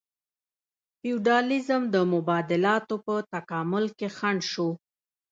فیوډالیزم د مبادلاتو په تکامل کې خنډ شو.